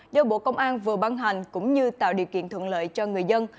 do bộ công an vừa băng hành cũng như tạo điều kiện thuận lợi cho người dân